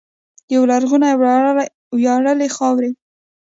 یوې لرغونې او ویاړلې خاورې.